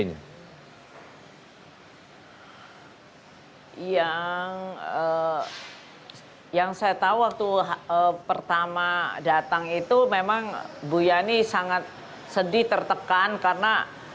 yang saya tahu waktu pertama datang itu memang bu yani sangat sedih tertekan karena